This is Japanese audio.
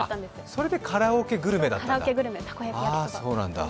それでカラオケグルメだったんだ。